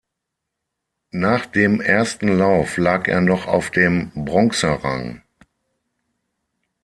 Nach dem ersten Lauf lag er noch auf dem Bronzerang.